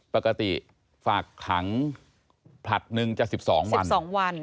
ปกติฝากถังผลัดหนึ่งจะ๑๒วัน